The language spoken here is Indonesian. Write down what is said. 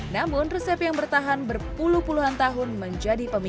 namun resep yang bertahan berpuluh puluhan tahun menjadi pemimpin